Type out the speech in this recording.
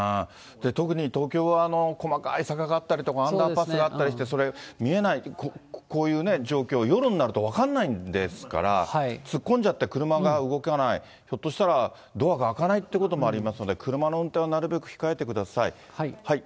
特に東京は、細かい坂があったりとか、アンダーパスがあったりして、それ、見えない、こういうね、状況、夜になると分かんないですから、突っ込んじゃって、車が動かない、ひょっとしたらドアが開かないということもありますので、車の運転はなるべく控えてください。